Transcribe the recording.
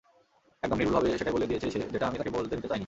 একদম নির্ভুলভাবে সেটাই বলে দিয়েছে সে যেটা আমি তাকে বলতে দিতে চাইনি।